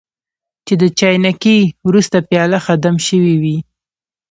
چې د چاینکې وروستۍ پیاله ښه دم شوې وي.